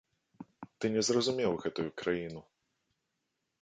Ты не зразумеў гэтую краіну.